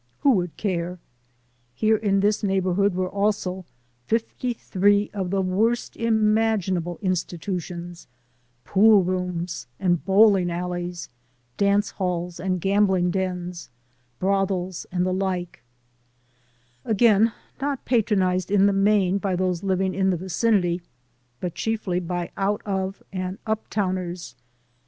Who would care? Here in this neighborhood were also 53 of the worst imaginable institutions; poolrooms and bowling alleys, dance halls and gambling dens, brothels and the like ; again, not patronized in the main by those living in the vicinity, but chiefly by out of and up towners.